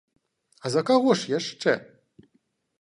А за каго ж яшчэ?!